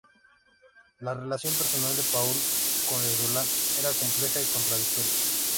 La relación personal de Paul con Irulan era compleja y contradictoria.